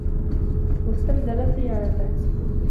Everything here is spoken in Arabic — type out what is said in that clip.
وَاسْتَبْذَلَ صِيَانَتَهُ